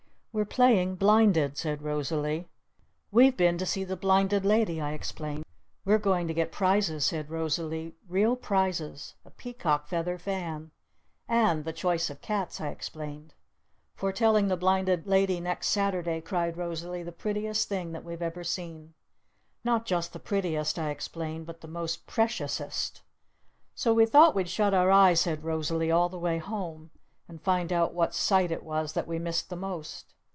"We're playing blinded," said Rosalee. "We've been to see the Blinded Lady!" I explained. "We're going to get prizes," said Rosalee. "Real prizes! A Peacock Feather Fan!" "And the Choice of Cats!" I explained. "For telling the Blinded Lady next Saturday," cried Rosalee, "the prettiest thing that we've ever seen!" "Not just the prettiest!" I explained. "But the most preciousest!" "So we thought we'd shut our eyes!" said Rosalee. "All the way home! And find out what Sight it was that we missed the most!